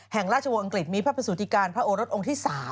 แห่งราชวงศังกฤษมีพระประสุทธิการพระโอรสองค์ที่๓